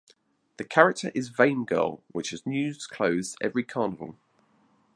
The character is vain girl which has news clothes every carnival.